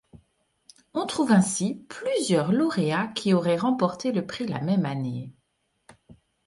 On trouve ainsi plusieurs lauréats qui auraient remporté le prix la même année.